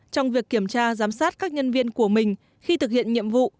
trong việc kiểm tra giám sát các nhân viên của mình khi thực hiện nhiệm vụ